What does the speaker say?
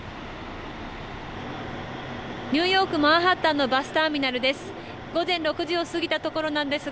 ニューヨーク、マンハッタンのバスターミナルです。